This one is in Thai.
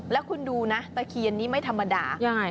แล้วคุณดูนะตะเคียนนี้ไม่ธรรมดา